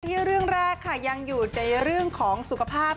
เรื่องแรกค่ะยังอยู่ในเรื่องของสุขภาพ